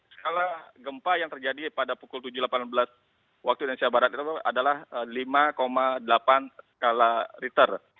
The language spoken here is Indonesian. skala gempa yang terjadi pada pukul tujuh delapan belas waktu indonesia barat itu adalah lima delapan skala riter